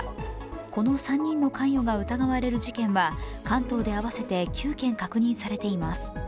この３人の関与が疑われる事件は、関東で合わせて９件確認されています。